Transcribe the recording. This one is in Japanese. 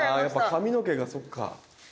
やっぱ髪の毛がそっか。